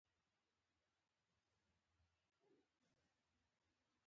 یا مېړونه بدل سوي یا اوښتي دي وختونه